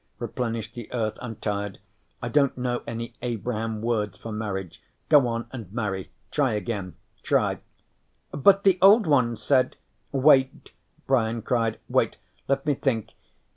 Replenish the Earth. I'm tired. I don't know any Abraham words for marriage. Go on and marry. Try again. Try " "But the Old Ones said " "Wait!" Brian cried. "Wait! Let me think.